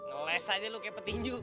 ngeles aja lu kayak petinju